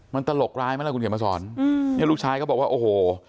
มันตลกร้ายไหมล่ะคุณเขียนมาสอนเนี่ยลูกชายก็บอกว่าโอ้โห